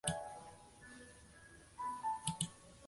而狭长地带最小的城镇则为圣玛里埃什和邦纳斯码头。